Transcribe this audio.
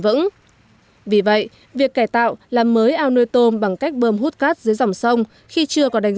vững vì vậy việc cải tạo làm mới ao nuôi tôm bằng cách bơm hút cát dưới dòng sông khi chưa có đánh